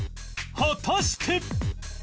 果たして？